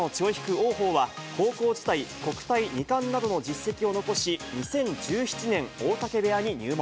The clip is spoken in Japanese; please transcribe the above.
王鵬は高校時代、国体２冠などの実績を残し、２０１７年、大嶽部屋に入門。